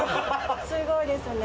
すごいですね。